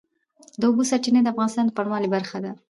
د اوبو سرچینې د افغانستان د بڼوالۍ برخه ده.